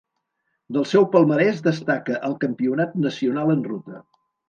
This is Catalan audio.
Del seu palmarès destaca el campionat nacional en ruta.